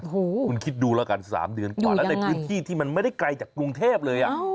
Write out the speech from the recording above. คุณคิดดูแล้วกัน๓เดือนกว่าแล้วในพื้นที่ที่มันไม่ได้ไกลจากกรุงเทพเลย